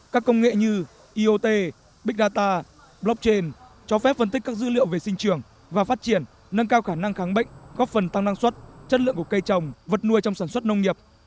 các công nghệ như iot big data blockchain cho phép phân tích các dữ liệu về sinh trường và phát triển nâng cao khả năng kháng bệnh góp phần tăng năng suất chất lượng của cây trồng vật nuôi trong sản xuất nông nghiệp